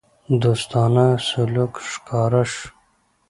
دوستانه سلوک ښکاره شو.